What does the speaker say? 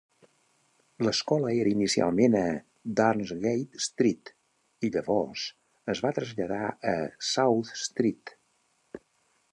L'escola era inicialment a Durngate Street, i llavors es va traslladar a South Street.